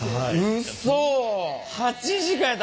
うそ？